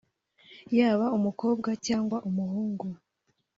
yaba umukobwa cyangwa umuhungu